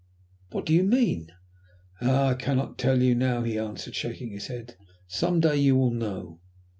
"What do you mean?" "Ah! I cannot tell you now," he answered, shaking his head. "Some day you will know."